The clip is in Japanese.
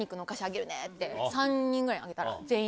３人ぐらいにあげたら全員。